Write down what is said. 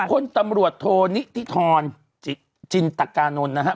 คนตำรวจโทนิธิธรจินตกานนท์นะฮะ